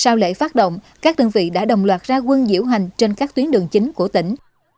sau lễ phát động các đơn vị đã đồng loạt ra quân diễu hành trên các tuyến đường chính của tỉnh